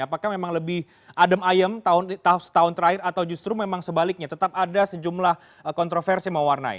apakah memang lebih adem ayem tahun terakhir atau justru memang sebaliknya tetap ada sejumlah kontroversi yang mau warnai